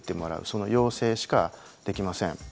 その要請しかできません。